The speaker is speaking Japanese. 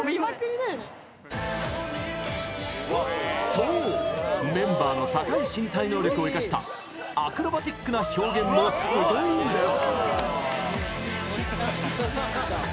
そう、メンバーの高い身体能力を生かしたアクロバティックな表現もすごいんです！